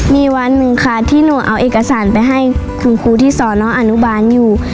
มีวันหนึ่งค่ะที่หนูเอาเอกสารไปให้คุณครูที่สอนน้องอนุบาลอยู่